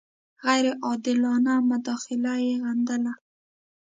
غیر عادلانه مداخله یې غندله.